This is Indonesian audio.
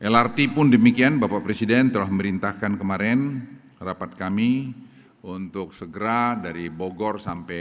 lrt pun demikian bapak presiden telah memerintahkan kemarin rapat kami untuk segera dari bogor sampai